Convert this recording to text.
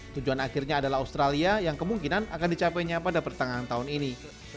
tujuan akhirnya adalah australia yang kemungkinan akan dicapainya pada pertengahan tahun ini